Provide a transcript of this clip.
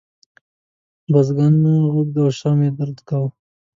بازوګانو، اوږو او شا مې درد کاوه.